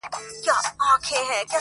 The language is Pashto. بیا حملې سوې د بازانو شاهینانو!